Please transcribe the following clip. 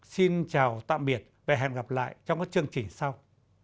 xin chào tạm biệt và hẹn gặp lại trong các chương trình sau